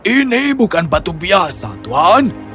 ini bukan batu biasa tuan